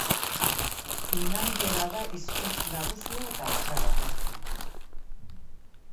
Finlandiera da hizkuntz nagusia eta bakarra bertan.